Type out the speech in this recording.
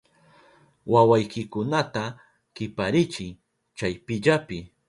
¡Wawaykikunata kiparichiy kayllapi!